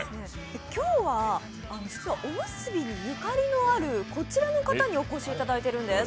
今日は実はおむすびにゆかりのあるこちらの方にお越しいただいているんです。